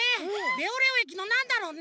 レオレオえきのなんだろうね？